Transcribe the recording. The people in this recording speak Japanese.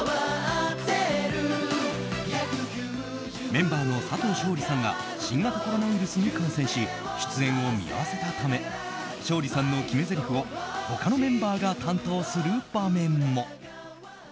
メンバーの佐藤勝利さんが新型コロナウイルスに感染し出演を見合わせたため勝利さんの決めぜりふを他のメンバーが担当する場面も。